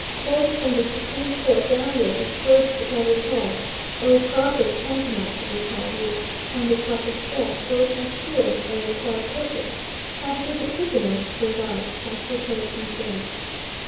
Courts, from the Supreme Court downward, if purged by recall, or a process tantamount to recall, would, under proper stress, work as surely for a required purpose as did the tribunal supervised by Fouquier Tinville.